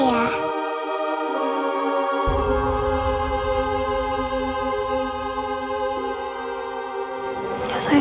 oma kangen sama omro ya